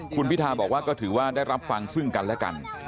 คุณพิทาบอกว่าก็ถือว่าได้รับฟังซึ่งกันและกัน